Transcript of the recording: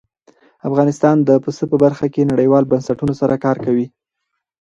افغانستان د پسه په برخه کې نړیوالو بنسټونو سره کار کوي.